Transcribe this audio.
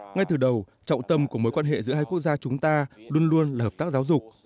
ngay từ đầu trọng tâm của mối quan hệ giữa hai quốc gia chúng ta luôn luôn là hợp tác giáo dục